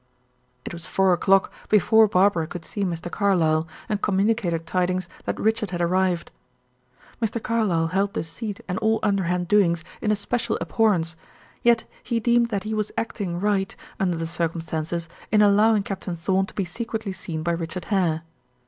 It was four o'clock before Barbara could see Mr. Carlyle, and communicate her tidings that Richard had arrived. Mr. Carlyle held deceit and all underhand doings in especial abhorrence; yet he deemed that he was acting right, under the circumstances, in allowing Captain Thorn to be secretly seen by Richard Hare.